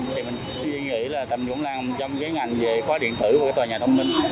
thì mình suy nghĩ là tầm dũng lăng trong cái ngành về khóa điện thử và tòa nhà thông minh